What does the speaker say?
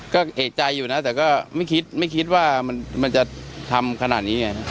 ก็เอกใจอยู่นะแต่ก็ไม่คิดไม่คิดว่ามันจะทำขนาดนี้ไง